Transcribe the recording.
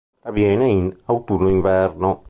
Avviene in autunno-inverno.